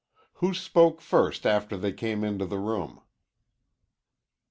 "Who spoke first after they came into the room?"